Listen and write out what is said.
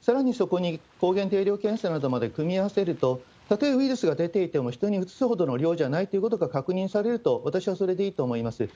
さらにそこに抗原検査などを組み合わせると、例えば感染者が出ていても人にうつすほどの量じゃないということが確認されると、私はそれでいいと思います。